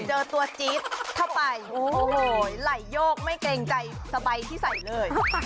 เจอตัวจิ๊กเท่าไปไหลโยกไม่เกรงใจสบายที่ใส่เลย